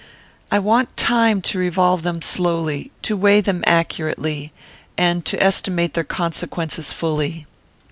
I want time to revolve them slowly, to weigh them accurately, and to estimate their consequences fully.